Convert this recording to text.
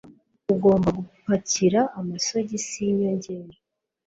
Ugomba gupakira amasogisi yinyongera.